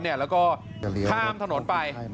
แล้วก็ข้ามถนนไป